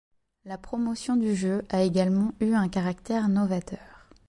La promotion du jeu a également eu un caractère novateur.